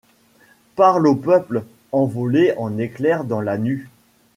Parle au peuple, envolée en éclairs dans la nue